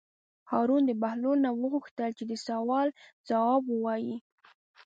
هارون د بهلول نه وغوښتل چې د سوال ځواب ووایي.